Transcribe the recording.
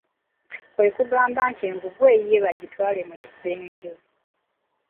Kwe kugamba nti engugu eyiye bagitwale mu kisenge.